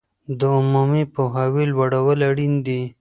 د عمومي پوهاوي لوړول اړین دي.